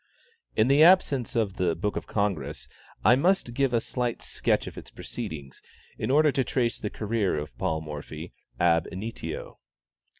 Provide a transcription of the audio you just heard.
In the absence of the "Book of the Congress," I must give a slight sketch of its proceedings, in order to trace the career of Paul Morphy ab initio.